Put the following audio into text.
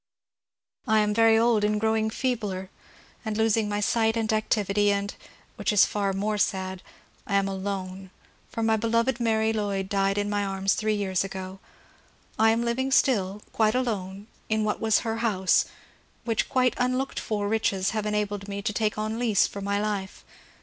••. I am very old and growing feebler, and losing sight and activity ; and (which is &r more sad) I am alone^ for my be loved friend Mary Lloyd died in my arms three years ago. I am living still — quite alone — in what was her house, which quite unlooked for riches have enabled me to take on lease for my life.